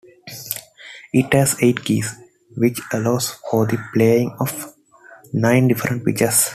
It has eight keys, which allows for the playing of nine different pitches.